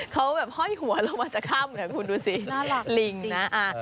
เขาแบบห้อยหัวลงมาจากถ้ำเนี่ยคุณดูสิลิงนะ